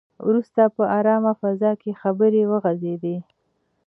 وروسته په ارامه فضا کې خبرې وغځېدې.